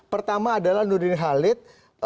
pertama adalah nurdin halid